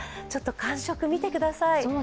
感触を見てください。